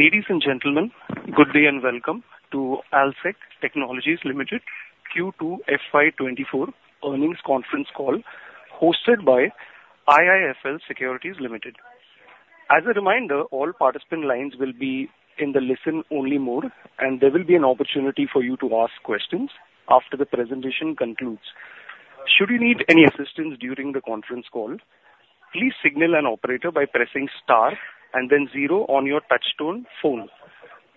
Ladies and gentlemen, good day and welcome to Allsec Technologies Limited Q2 FY24 earnings conference call, hosted by IIFL Securities Limited. As a reminder, all participant lines will be in the listen-only mode, and there will be an opportunity for you to ask questions after the presentation concludes. Should you need any assistance during the conference call, please signal an operator by pressing star and then zero on your touchtone phone.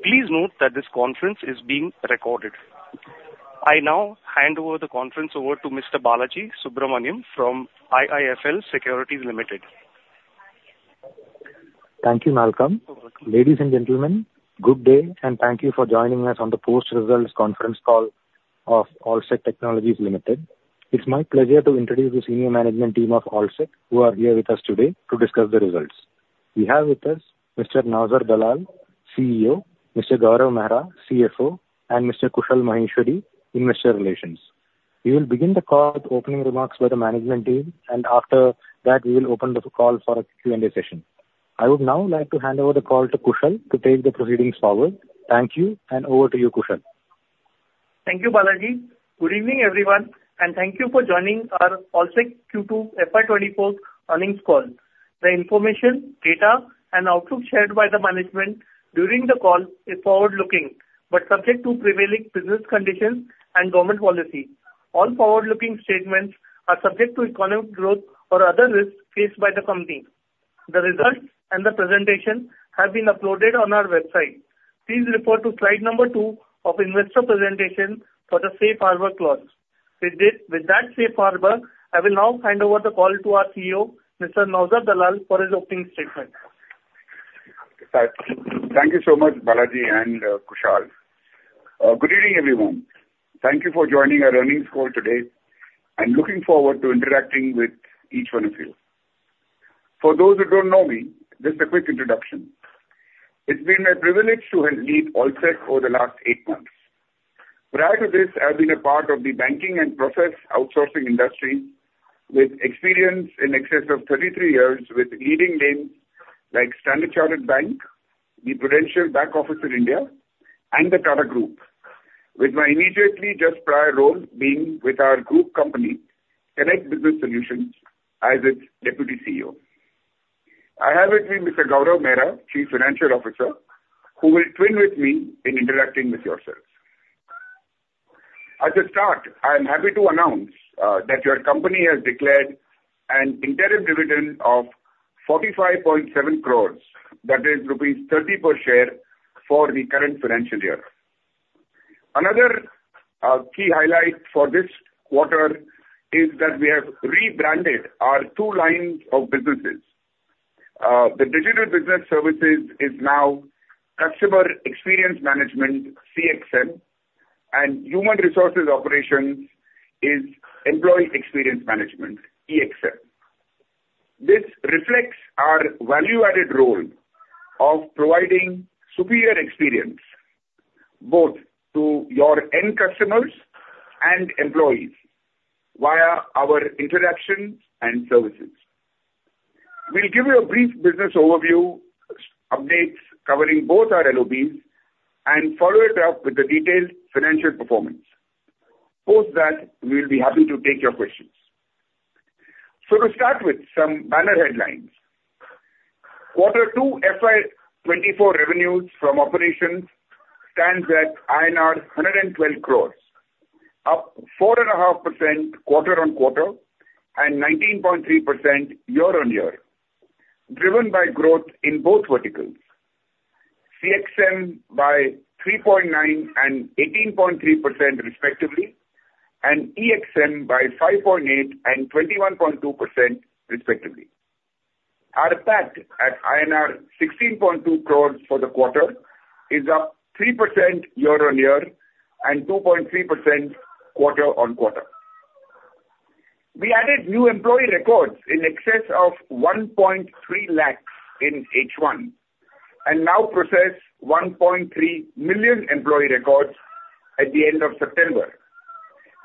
Please note that this conference is being recorded. I now hand over the conference to Mr. Balaji Subramanian from IIFL Securities Limited. Thank you, Malcolm. Ladies and gentlemen, good day, and thank you for joining us on the post-results conference call of Allsec Technologies Limited. It's my pleasure to introduce the senior management team of Allsec, who are here with us today to discuss the results. We have with us Mr. Naozer Dalal, CEO, Mr. Gaurav Mehra, CFO, and Mr. Kushal Maheshwari, Investor Relations. We will begin the call with opening remarks by the management team, and after that, we will open the call for a Q&A session. I would now like to hand over the call to Kushal to take the proceedings forward. Thank you, and over to you, Kushal. Thank you, Balaji. Good evening, everyone, and thank you for joining our Allsec Q2 FY24 earnings call. The information, data, and outlook shared by the management during the call is forward-looking but subject to prevailing business conditions and government policy. All forward-looking statements are subject to economic growth or other risks faced by the company. The results and the presentation have been uploaded on our website. Please refer to slide number 2 of investor presentation for the safe harbor clause. With that safe harbor, I will now hand over the call to our CEO, Mr. Naozer Dalal, for his opening statement. Thank you so much, Balaji and Kushal. Good evening, everyone. Thank you for joining our earnings call today. I'm looking forward to interacting with each one of you. For those who don't know me, just a quick introduction. It's been my privilege to help lead Allsec over the last 8 months. Prior to this, I've been a part of the banking and process outsourcing industry, with experience in excess of 33 years with leading names like Standard Chartered Bank, the Prudential Back Office in India, and the Tata Group. With my immediately just prior role being with our group company, Conneqt Business Solutions, as its Deputy CEO. I have with me Mr. Gaurav Mehra, Chief Financial Officer, who will twin with me in interacting with yourselves. As a start, I am happy to announce that your company has declared an interim dividend of 45.7 crore, that is rupees 30 per share, for the current financial year. Another key highlight for this quarter is that we have rebranded our two lines of businesses. The digital business services is now Customer Experience Management, CXM, and Human Resources Operations is Employee Experience Management, EXM. This reflects our value-added role of providing superior experience both to your end customers and employees via our interactions and services. We'll give you a brief business overview, updates covering both our LOBs, and follow it up with the detailed financial performance. Post that, we'll be happy to take your questions. So to start with some banner headlines. Quarter 2 FY 2024 revenues from operations stands at INR 112 crores, up 4.5% quarter-on-quarter and 19.3% year-on-year, driven by growth in both verticals. CXM by 3.9% and 18.3% respectively, and EXM by 5.8% and 21.2% respectively. Our PAT at INR 16.2 crores for the quarter is up 3% year-on-year and 2.3% quarter-on-quarter. We added new employee records in excess of 1.3 lakhs in H1 and now process 1.3 million employee records at the end of September,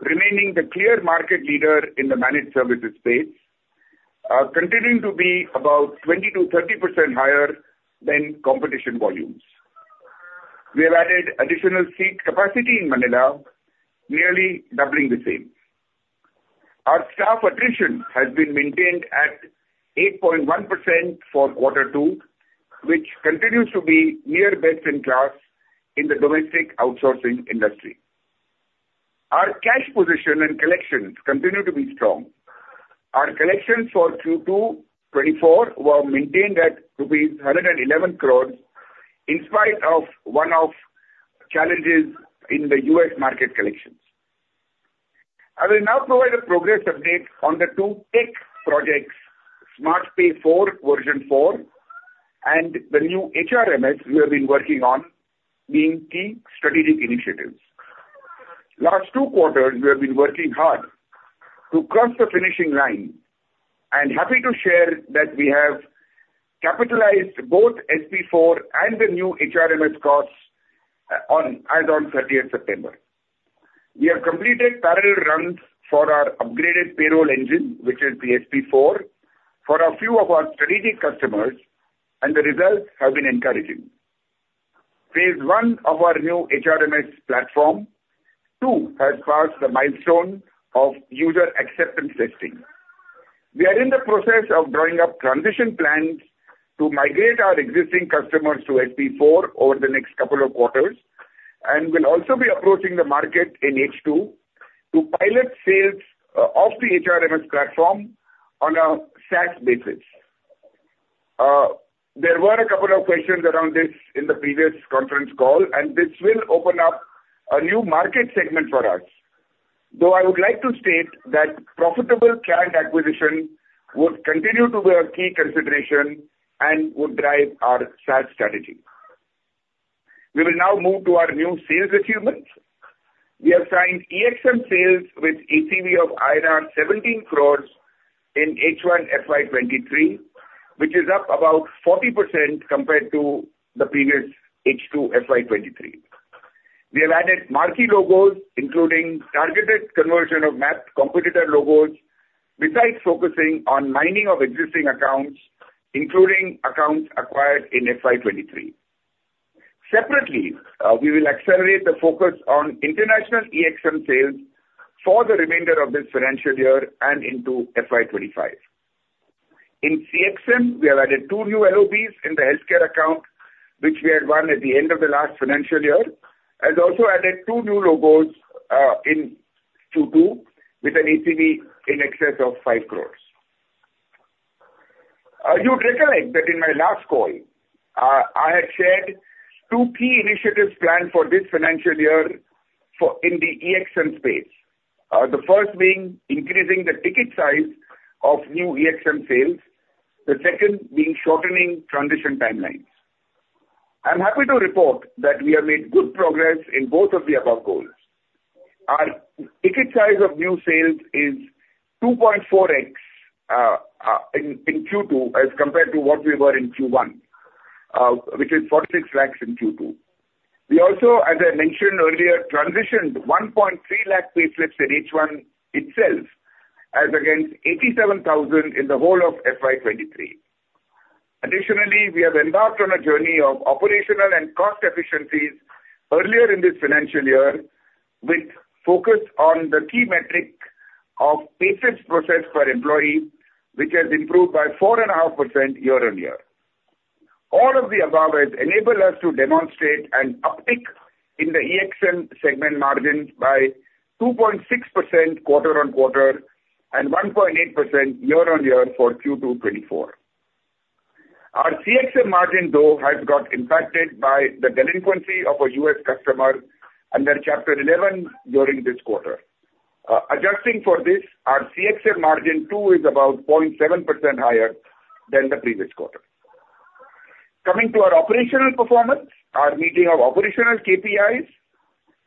remaining the clear market leader in the managed services space, continuing to be about 20%-30% higher than competition volumes. We have added additional seat capacity in Manila, nearly doubling the same. Our staff attrition has been maintained at 8.1% for quarter two, which continues to be near best in class in the domestic outsourcing industry. Our cash position and collections continue to be strong. Our collections for Q2 2024 were maintained at rupees 111 crores, in spite of one-off challenges in the US market collections. I will now provide a progress update on the two tech projects, SmartPay4 version four, and the new HRMS we have been working on being key strategic initiatives. Last two quarters, we have been working hard to cross the finishing line, and happy to share that we have capitalized both SP4 and the new HRMS costs as on thirtieth September. We have completed parallel runs for our upgraded payroll engine, which is PHP four, for a few of our strategic customers, and the results have been encouraging. Phase one of our new HRMS platform, too, has passed the milestone of user acceptance testing. We are in the process of drawing up transition plans to migrate our existing customers to SP4 over the next couple of quarters, and we'll also be approaching the market in H2 to pilot sales, of the HRMS platform on a SaaS basis. There were a couple of questions around this in the previous conference call, and this will open up a new market segment for us. Though I would like to state that profitable client acquisition would continue to be a key consideration and would drive our SaaS strategy. We will now move to our new sales achievements. We have signed EXM sales with ACV of INR 17 crores in H1 FY 2023, which is up about 40% compared to the previous H2 FY 2023. We have added marquee logos, including targeted conversion of mapped competitor logos, besides focusing on mining of existing accounts, including accounts acquired in FY 23. Separately, we will accelerate the focus on international EXM sales for the remainder of this financial year and into FY 25. In CXM, we have added two new LOBs in the healthcare account, which we had won at the end of the last financial year, and also added two new logos in Q2 with an ACV in excess of 5 crore. You'd recollect that in my last call, I had shared two key initiatives planned for this financial year in the EXM space. The first being increasing the ticket size of new EXM sales, the second being shortening transition timelines. I'm happy to report that we have made good progress in both of the above goals. Our ticket size of new sales is 2.4x in Q2 as compared to what we were in Q1, which is 46 lakh in Q2. We also, as I mentioned earlier, transitioned 1.3 lakh payslips in H1 itself, as against 87,000 in the whole of FY 2023. Additionally, we have embarked on a journey of operational and cost efficiencies earlier in this financial year, with focus on the key metric of payslips processed per employee, which has improved by 4.5% year-on-year. All of the above has enabled us to demonstrate an uptick in the EXM segment margins by 2.6% quarter-on-quarter and 1.8% year-on-year for Q2 2024. Our CXM margin, though, has got impacted by the delinquency of a U.S. customer under Chapter 11 during this quarter. Adjusting for this, our CXM margin too is about 0.7% higher than the previous quarter. Coming to our operational performance, our meeting of operational KPIs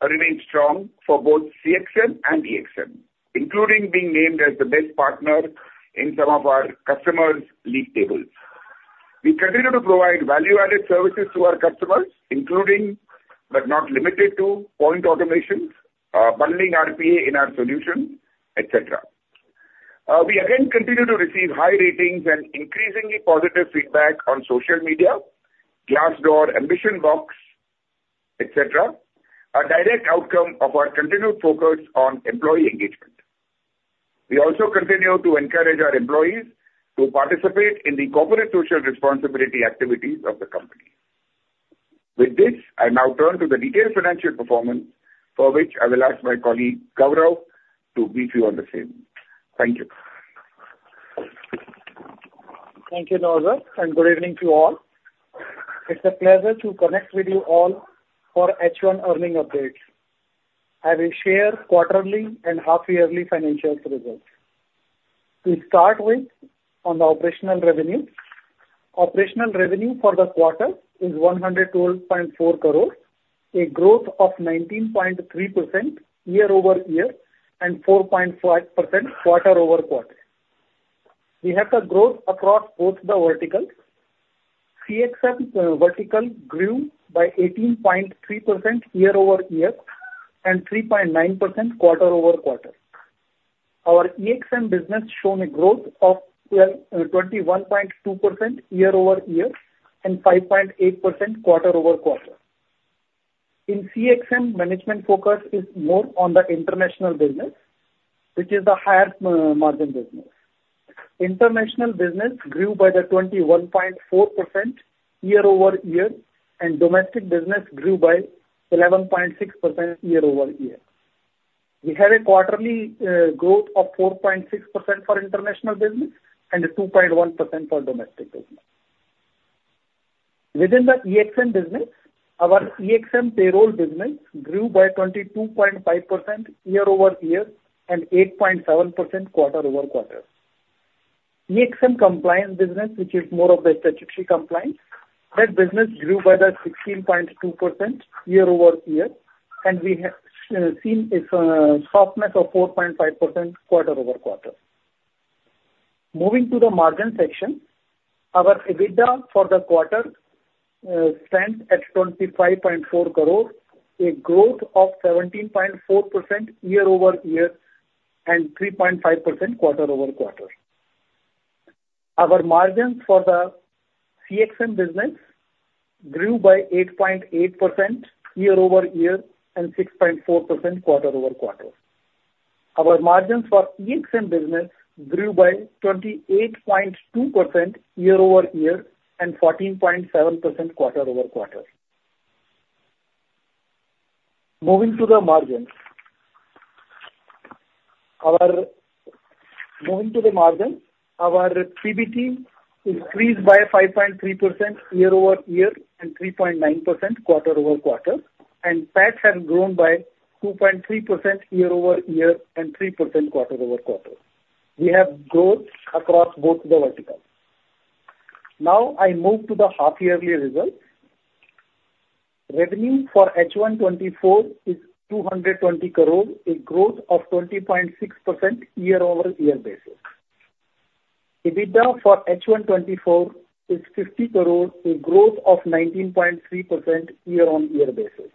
remained strong for both CXM and EXM, including being named as the best partner in some of our customers' league tables. We continue to provide value-added services to our customers, including, but not limited to, point automations, bundling RPA in our solution, et cetera. We again continue to receive high ratings and increasingly positive feedback on social media, Glassdoor, AmbitionBox, et cetera, a direct outcome of our continued focus on employee engagement. We also continue to encourage our employees to participate in the corporate social responsibility activities of the company. With this, I now turn to the detailed financial performance, for which I will ask my colleague, Gaurav, to brief you on the same. Thank you. Thank you, Naozer, and good evening to you all. It's a pleasure to connect with you all for H1 earnings update. I will share quarterly and half-yearly financial results. To start with, on the operational revenue. Operational revenue for the quarter is 112.4 crore, a growth of 19.3% year-over-year and 4.5% quarter-over-quarter. We have a growth across both the verticals. CXM vertical grew by 18.3% year-over-year and 3.9% quarter-over-quarter. Our EXM business shown a growth of 21.2% year-over-year and 5.8% quarter-over-quarter. In CXM, management focus is more on the international business, which is the higher margin business. International business grew by the 21.4% year-over-year, and domestic business grew by 11.6% year-over-year. We have a quarterly growth of 4.6% for international business and 2.1% for domestic business. Within the EXM business, our EXM payroll business grew by 22.5% year-over-year and 8.7% quarter-over-quarter. EXM compliance business, which is more of the statutory compliance, that business grew by the 16.2% year-over-year, and we have seen a softness of 4.5% quarter-over-quarter. Moving to the margin section, our EBITDA for the quarter stands at 25.4 crores, a growth of 17.4% year-over-year and 3.5% quarter-over-quarter. Our margins for the CXM business grew by 8.8% year-over-year and 6.4% quarter-over-quarter. Our margins for EXM business grew by 28.2% year-over-year and 14.7% quarter-over-quarter. Moving to the margins, our PBT increased by 5.3% year-over-year and 3.9% quarter-over-quarter, and PAT has grown by 2.3% year-over-year and 3% quarter-over-quarter. We have growth across both the verticals. Now I move to the half-yearly results. Revenue for H1 2024 is 220 crores, a growth of 20.6% year-over-year basis. EBITDA for H1 2024 is 50 crores, a growth of 19.3% year-over-year basis.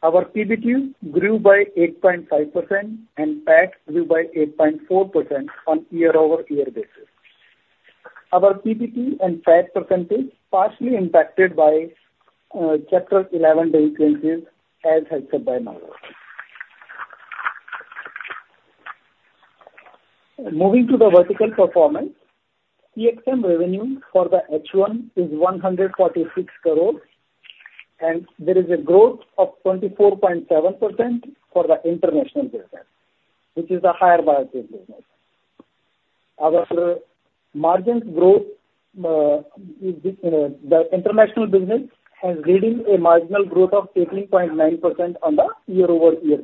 Our PBT grew by 8.5% and PAT grew by 8.4% on year-over-year basis. Our PBT and PAT percentage partially impacted by Chapter 11 delinquencies, as said by Naozer. Moving to the vertical performance, EXM revenue for the H1 is 146 crore, and there is a growth of 24.7% for the international business, which is the higher margin business. Our margins growth is the international business has leading a marginal growth of 18.9% on the year-over-year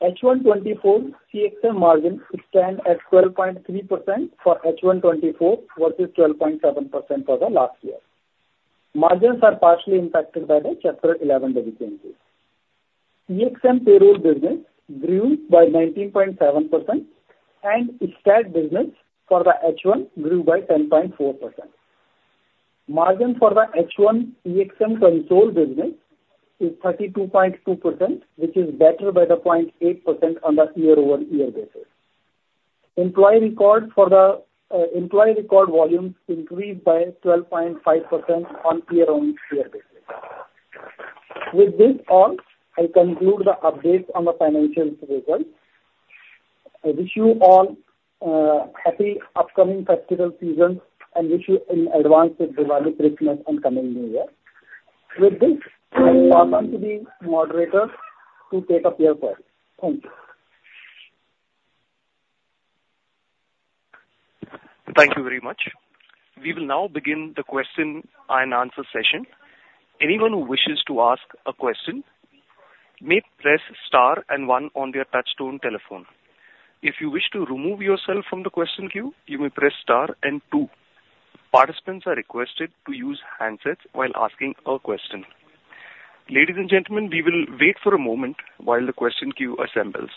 basis. H1 2024 CXM margin stand at 12.3% for H1 2024 versus 12.7% for the last year. Margins are partially impacted by the Chapter 11 delinquencies. EXM payroll business grew by 19.7%, and staff business for the H1 grew by 10.4%. Margin for the H1 EXM consolidated business is 32.2%, which is better by 0.8% on the year-over-year basis. Employee records for the employee record volumes increased by 12.5% on year-over-year basis. With this all, I conclude the update on the financial results. I wish you all happy upcoming festival season, and wish you in advance a Diwali, Christmas, and coming New Year. With this, I pass on to the moderator to take up your call. Thank you. Thank you very much. We will now begin the question and answer session. Anyone who wishes to ask a question may press star and one on their touchtone telephone. If you wish to remove yourself from the question queue, you may press star and two. Participants are requested to use handsets while asking a question. Ladies and gentlemen, we will wait for a moment while the question queue assembles.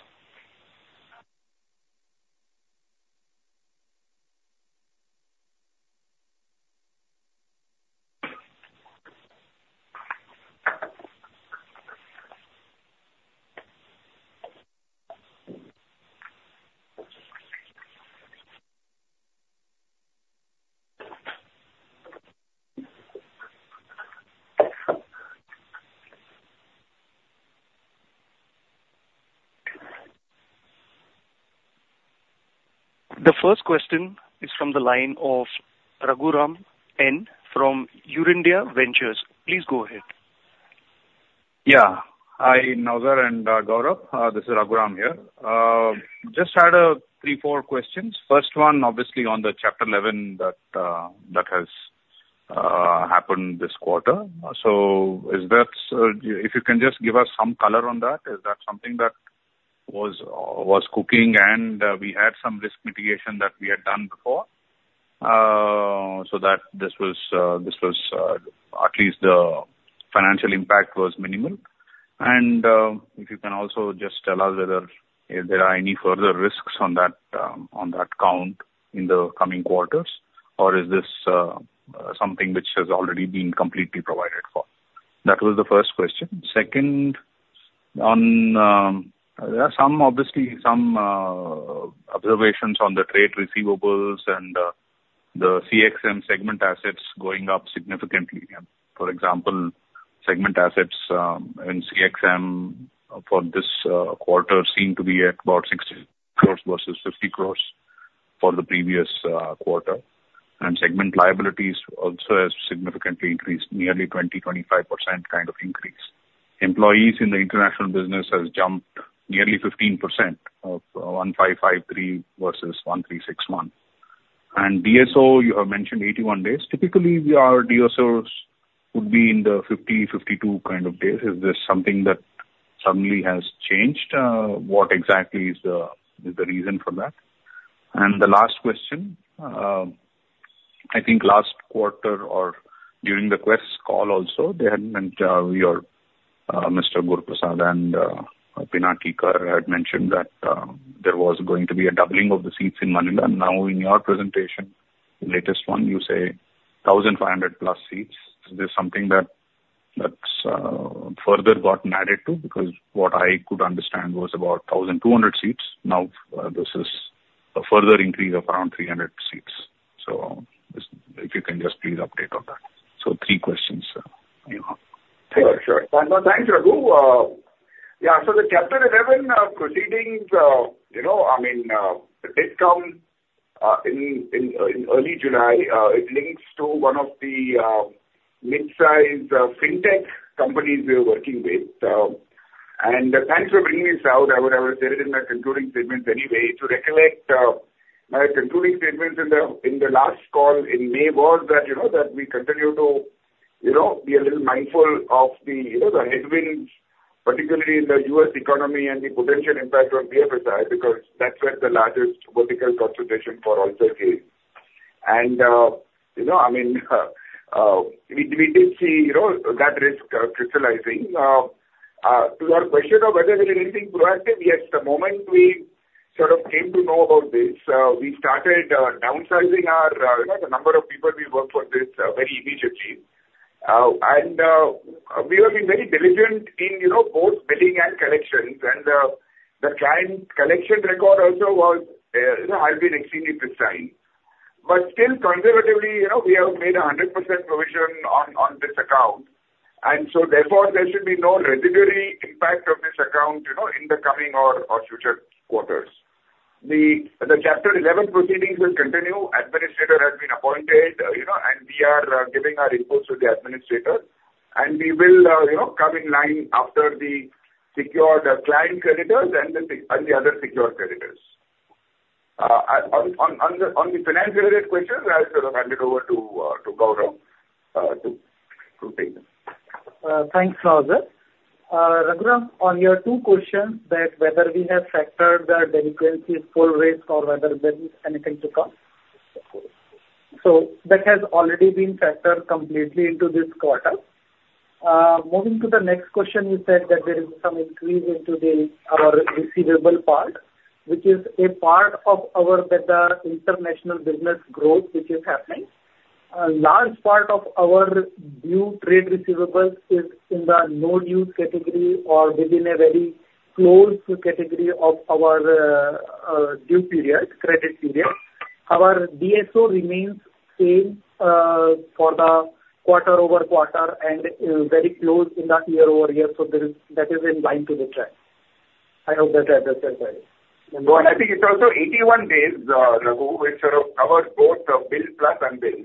The first question is from the line of Raghuram N from Eurindia Ventures. Please go ahead. Yeah. Hi, Naozer and Gaurav. This is Raghuram here. Just had 3, 4 questions. First one, obviously on the Chapter 11 that has happened this quarter. So is that, if you can just give us some color on that, is that something that was cooking, and we had some risk mitigation that we had done before, so that this was at least the financial impact was minimal? And, if you can also just tell us whether if there are any further risks on that, on that count in the coming quarters, or is this something which has already been completely provided for? That was the first question. Second, on, there are obviously some observations on the trade receivables and the CXM segment assets going up significantly. For example, segment assets in CXM for this quarter seem to be at about 60 crores versus 50 crores for the previous quarter. Segment liabilities also has significantly increased, nearly 20%-25% kind of increase. Employees in the international business has jumped nearly 15%, 1553 versus 1361. And DSO, you have mentioned 81 days. Typically, your DSOs would be in the 50-52 kind of days. Is this something that suddenly has changed? What exactly is the reason for that? And the last question, I think last quarter or during the Quess call also, they had mentioned, your Mr. Guruprasad and Pinaki Kar had mentioned that there was going to be a doubling of the seats in Manila. Now, in your presentation, latest one, you say 1,500+ seats. Is this something that, that's, further got added to? Because what I could understand was about 1,200 seats. Now, this is a further increase of around 300 seats. So just if you can just please update on that. So three questions, you have. Sure, sure. Thanks, Raghu. Yeah, so the Chapter 11 proceedings, you know, I mean, did come in early July. It links to one of the midsize Fintech companies we are working with. Thanks for bringing this out. I would, I would say it in my concluding statements anyway. To recollect, my concluding statements in the last call in May was that, you know, that we continue to, you know, be a little mindful of the, you know, the headwinds, particularly in the U.S. economy and the potential impact on Pfizer, because that's where the largest vertical concentration for also is. You know, I mean, we did see, you know, that risk crystallizing. To your question of whether we are anything proactive, yes. The moment we sort of came to know about this, we started downsizing our you know the number of people we work for this very immediately. We have been very diligent in you know both billing and collections. The client collection record also was you know has been extremely precise. But still conservatively you know we have made a 100% provision on this account, and so therefore there should be no residuary impact of this account you know in the coming or future quarters. The Chapter 11 proceedings will continue. Administrator has been appointed you know and we are giving our inputs to the administrator, and we will you know come in line after the secured client creditors and the other secured creditors. On the financial related questions, I'll sort of hand it over to Gaurav to take. Thanks, Raghu. Raghu, on your two questions that whether we have factored the delinquency full risk or whether there is anything to come. So that has already been factored completely into this quarter. Moving to the next question, you said that there is some increase into the, our receivable part, which is a part of our better international business growth, which is happening. A large part of our new trade receivables is in the no due category or within a very close category of our, due period, credit period. Our DSO remains same, for the quarter-over-quarter and, very close in the year-over-year. That is in line to the track. I hope that I addressed that right. Well, I think it's also 81 days, Raghu, which sort of covers both, build plus and bill.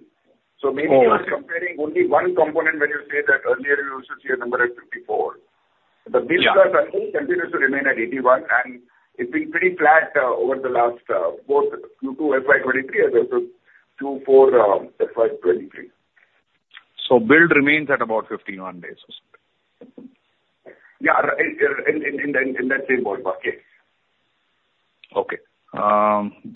Maybe you are comparing only one component when you say that earlier you used to see a number at 54. Yeah. The build plus and bill continues to remain at 81, and it's been pretty flat over the last both Q2 FY 2023 and also Q4 FY 2023. DSO remains at about 51 days or something? Yeah, in that same ballpark. Yes. Okay.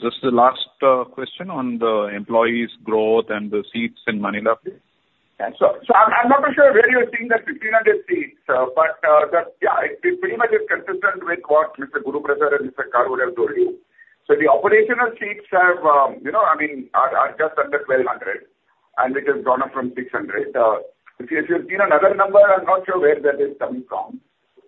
Just the last question on the employees growth and the seats in Manila. Yeah. So I'm not too sure where you're seeing the 1,500 seats, but yeah, it pretty much is consistent with what Mr. Guruprasad and Mr. Kar would have told you. So the operational seats have, you know, I mean, are just under 1,200, and it has gone up from 600. If you've seen another number, I'm not sure where that is coming from,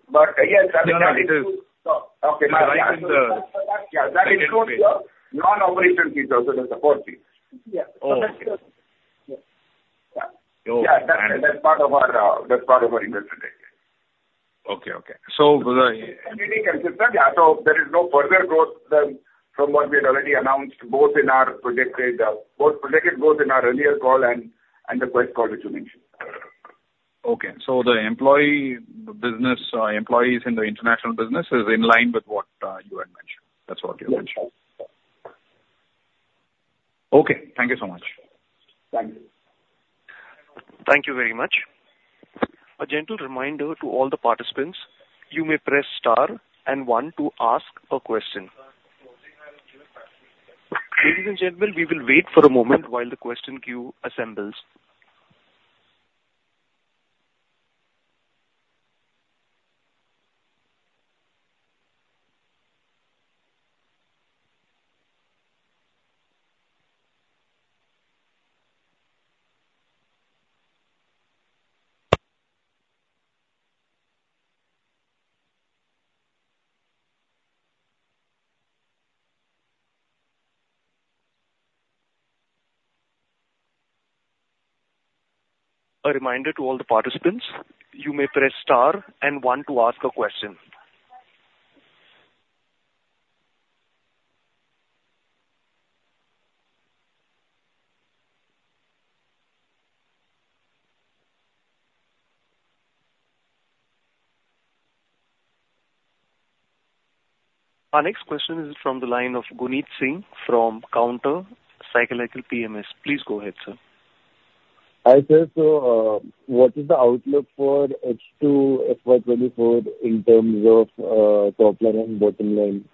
but yes, that. No, it is. Okay. Yeah, that includes the non-operational seats also, the support seats. Yeah. Oh, okay. Yeah. Oh. That's part of our, that's part of our investment. Okay, okay. Pretty consistent. Yeah, so there is no further growth than from what we had already announced, both in our projected, both projected, both in our earlier call and, and the Quess call, which you mentioned. Okay. So the employee business, employees in the international business is in line with what you had mentioned. That's what you mentioned. Yes. Okay. Thank you so much. Thank you. Thank you very much. A gentle reminder to all the participants, you may press star and one to ask a question. Ladies and gentlemen, we will wait for a moment while the question queue assembles. A reminder to all the participants, you may press star and one to ask a question. Our next question is from the line of Guneet Singh from Counter Cyclical PMS. Please go ahead, sir. Hi, sir. So, what is the outlook for H2 FY 2024 in terms of, top line and bottom line?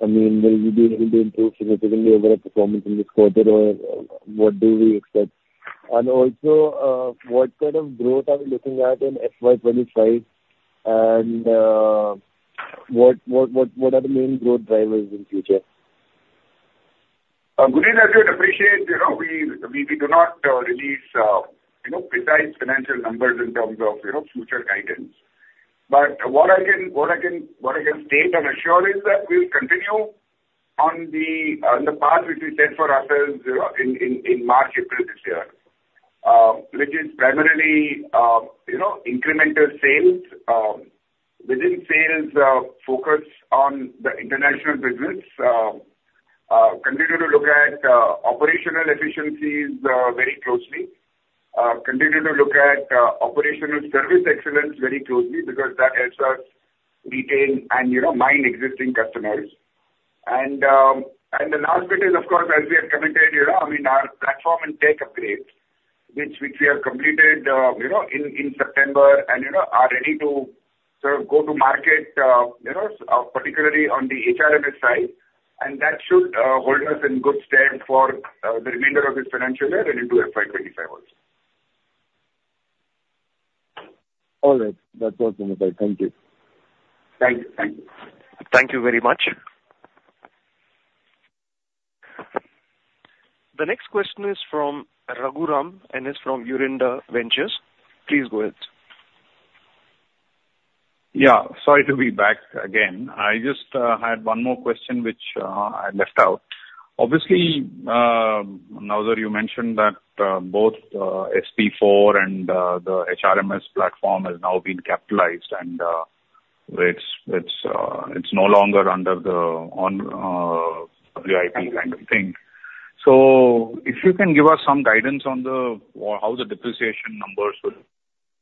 I mean, will you be able to improve significantly over a performance in this quarter, or what do we expect? And also, what kind of growth are we looking at in FY 2025, and, what are the main growth drivers in future? Guneet, as you would appreciate, you know, we do not release, you know, precise financial numbers in terms of, you know, future guidance. But what I can state and assure is that we'll continue on the path which we set for ourselves in March, April this year. Which is primarily, you know, incremental sales. Within sales, focus on the international business. Continue to look at operational efficiencies very closely. Continue to look at operational service excellence very closely, because that helps us retain and, you know, mine existing customers. The last bit is, of course, as we have commented, you know, I mean, our platform and tech upgrades, which we have completed, you know, in September, and you know, are ready to sort of go to market, you know, particularly on the HRMS side. That should hold us in good stead for the remainder of this financial year and into FY 25 also. All right. That's all, Sunipai. Thank you. Thank you. Thank you. Thank you very much. The next question is from Raghuram, and it's from Eurindia Ventures. Please go ahead. Yeah, sorry to be back again. I just had one more question which I left out. Obviously, Naozer, you mentioned that both SP4 and the HRMS platform has now been capitalized, and it's no longer under the on VIP kind of thing. So if you can give us some guidance on the or how the depreciation numbers will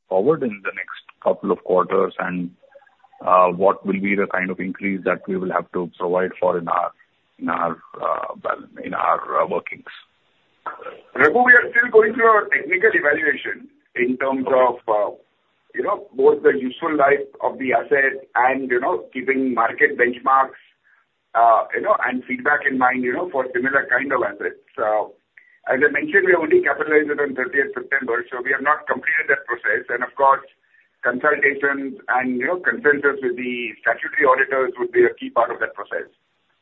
forward in the next couple of quarters, and what will be the kind of increase that we will have to provide for in our in our bal- in our workings? Raghu, we are still going through a technical evaluation in terms of, you know, both the useful life of the asset and, you know, keeping market benchmarks, you know, and feedback in mind for similar kind of assets. As I mentioned, we have only capitalized it on thirtieth September, so we have not completed that process. And of course, consultations and, you know, consensus with the statutory auditors would be a key part of that process.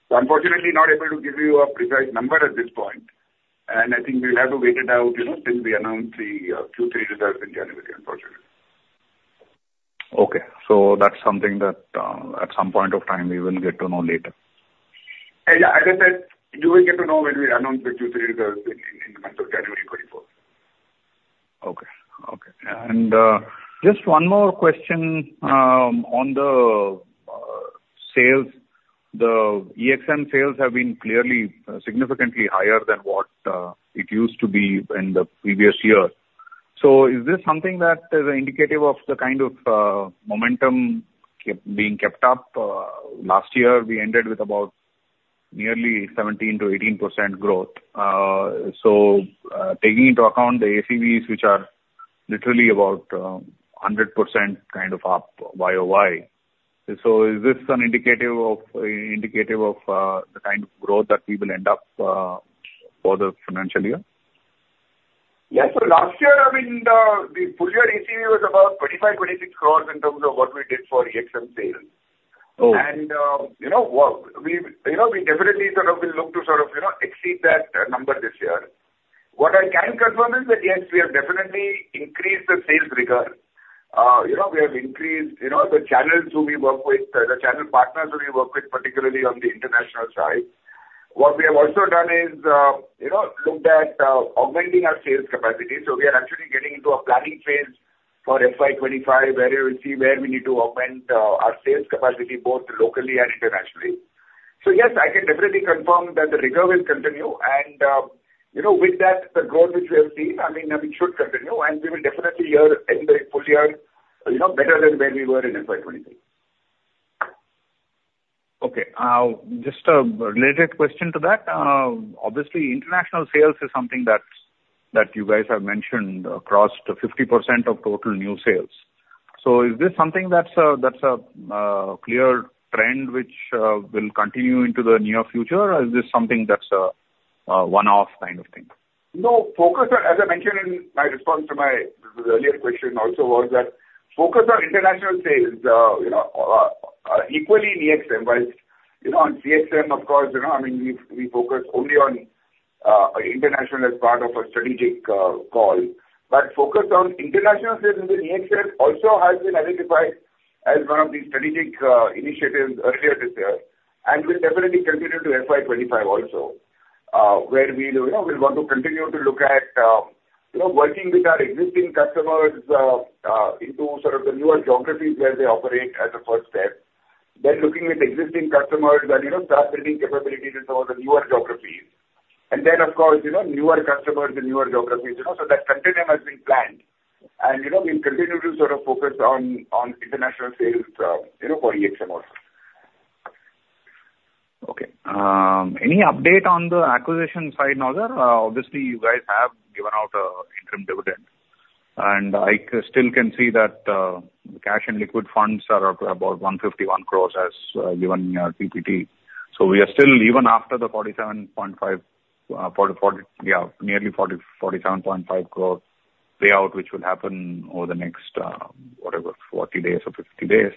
So unfortunately, not able to give you a precise number at this point, and I think we'll have to wait it out, you know, till we announce the Q3 results in January, unfortunately. Okay. So that's something that, at some point of time, we will get to know later. Yeah. As I said, you will get to know when we announce the Q3 results in the month of January 2024. Okay. Okay. And just one more question on the sales. The EXM sales have been clearly significantly higher than what it used to be in the previous year. So is this something that is indicative of the kind of momentum kept, being kept up? Last year, we ended with about nearly 17%-18% growth. So taking into account the ACVs, which are literally about 100% kind of up YOY. So is this indicative of, indicative of the kind of growth that we will end up for the financial year? Yeah. So last year, I mean, the full year ACV was about 25-26 crore in terms of what we did for EXM sales. Oh. You know, we definitely sort of will look to sort of, you know, exceed that number this year. What I can confirm is that, yes, we have definitely increased the sales rigor. You know, we have increased, you know, the channels who we work with, the channel partners who we work with, particularly on the international side. What we have also done is, you know, looked at augmenting our sales capacity. So we are actually getting into a planning phase for FY 2025, where we will see where we need to augment our sales capacity, both locally and internationally. Yes, I can definitely confirm that the rigor will continue and, you know, with that, the growth which we have seen. I mean, it should continue, and we will definitely year end the full year, you know, better than where we were in FY 2023. Okay. Just a related question to that. Obviously, international sales is something that, that you guys have mentioned across 50% of total new sales. So is this something that's a, that's a clear trend which will continue into the near future? Or is this something that's a one-off kind of thing? No. Focus on. As I mentioned in my response to the earlier question also, was that focus on international sales, you know, equally in EXM, while, you know, on CXM, of course, you know, I mean, we focus only on international as part of a strategic call. But focus on international sales within EXM also has been identified as one of the strategic initiatives earlier this year, and will definitely continue to FY 25 also. Where we, you know, we'll want to continue to look at, you know, working with our existing customers into sort of the newer geographies where they operate as a first step. Then looking at existing customers and, you know, start building capabilities into the newer geographies. And then, of course, you know, newer customers and newer geographies, you know, so that continuum has been planned. And, you know, we'll continue to sort of focus on, on international sales, you know, for EXM also. Any update on the acquisition side, Nagar? Obviously, you guys have given out an interim dividend, and I still can see that the cash and liquid funds are up to about 151 crore as given in your PPT. We are still, even after the 47.5 crore payout, which will happen over the next, whatever, 40 days or 50 days,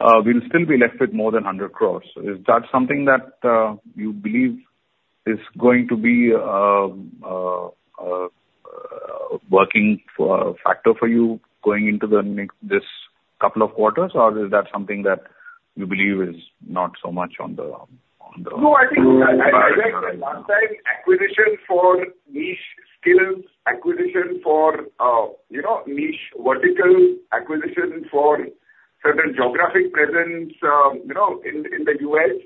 we'll still be left with more than 100 crore. Is that something that you believe is going to be a working factor for you going into the next couple of quarters? Or is that something that you believe is not so much on the. No, I think acquisition for niche skills, acquisition for, you know, niche vertical, acquisition for certain geographic presence, you know, in the U.S.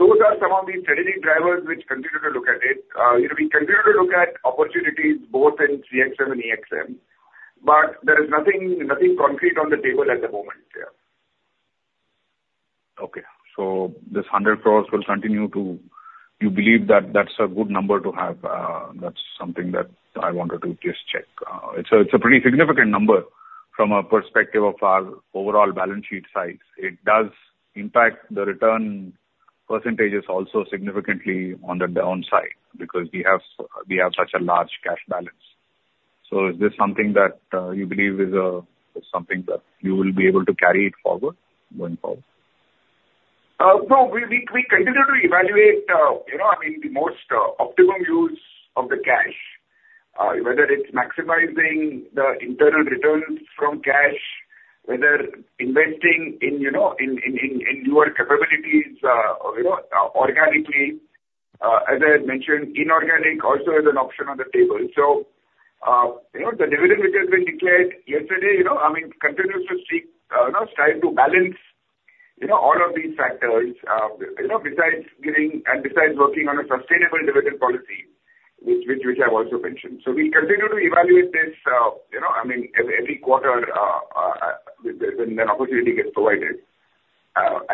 Those are some of the strategic drivers which continue to look at it. You know, we continue to look at opportunities both in CXM and EXM, but there is nothing, nothing concrete on the table at the moment, yeah. Okay. So this 100 crore will continue to. You believe that that's a good number to have? That's something that I wanted to just check. It's a, it's a pretty significant number from a perspective of our overall balance sheet size. It does impact the return percentages also significantly on the downside, because we have, we have such a large cash balance. So is this something that you believe is something that you will be able to carry it forward, going forward? No, we continue to evaluate, you know, I mean, the most optimum use of the cash. Whether it's maximizing the internal returns from cash, whether investing in, you know, in newer capabilities, you know, organically. As I had mentioned, inorganic also is an option on the table. So, you know, the dividend which has been declared yesterday, you know, I mean, continues to seek, you know, strive to balance, you know, all of these factors. You know, besides giving, and besides working on a sustainable dividend policy, which I've also mentioned. So we continue to evaluate this. I mean, every quarter, when an opportunity gets provided.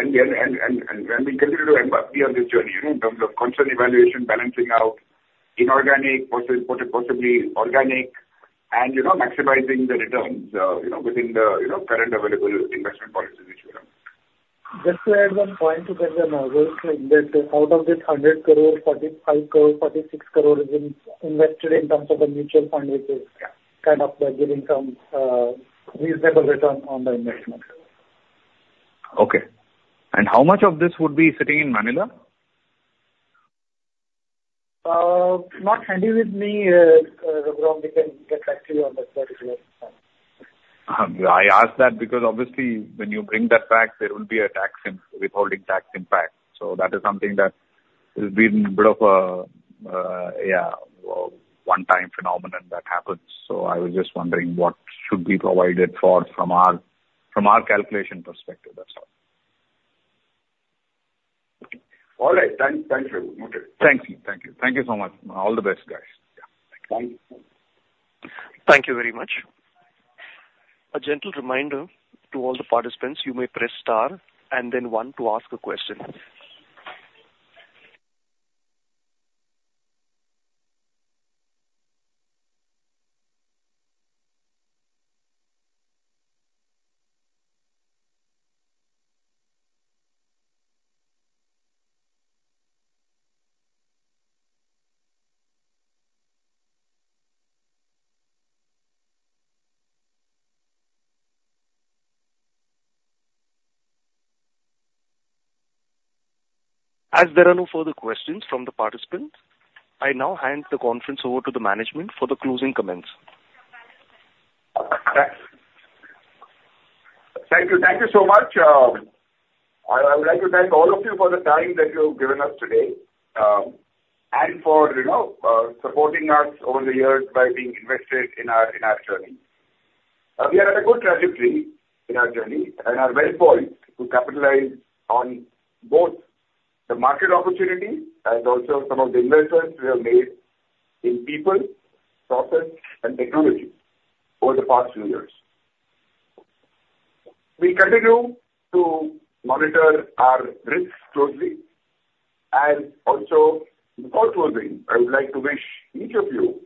We continue to embark on this journey, you know, in terms of constant evaluation, balancing out inorganic, possibly organic, and, you know, maximizing the returns, you know, within the, you know, current available investment policies which we have. Just to add one point to that, Nagar, that out of this 100 crore, 45 crore, 46 crore is invested in terms of the mutual fund, which is. Yeah. Kind of giving some reasonable return on the investment. Okay. How much of this would be sitting in Manila? Not handy with me, Raghuram. We can get back to you on that particular point. Yeah, I ask that because obviously when you bring that back, there will be a tax in- withholding tax impact. So that is something that has been a bit of a one-time phenomenon that happens. So I was just wondering what should be provided for from our calculation perspective, that's all. All right. Thank you. Okay. Thank you, thank you. Thank you so much. All the best, guys. Yeah. Thank you. Thank you very much. A gentle reminder to all the participants, you may press star and then one to ask a question. As there are no further questions from the participants, I now hand the conference over to the management for the closing comments. Thanks. Thank you. Thank you so much. I would like to thank all of you for the time that you have given us today, and for, you know, supporting us over the years by being invested in our journey. We are at a good trajectory in our journey and are well poised to capitalize on both the market opportunity and also some of the investments we have made in people, process, and technology over the past few years. We continue to monitor our risks closely and also before closing, I would like to wish each of you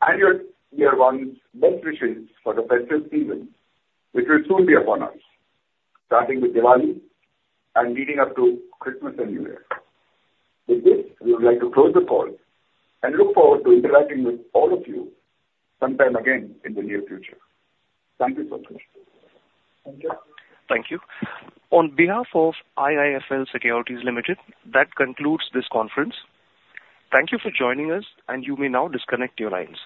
and your dear ones best wishes for the festive season, which will soon be upon us, starting with Diwali and leading up to Christmas and New Year. With this, we would like to close the call and look forward to interacting with all of you sometime again in the near future. Thank you so much. Thank you. On behalf of IIFL Securities Limited, that concludes this conference. Thank you for joining us, and you may now disconnect your lines.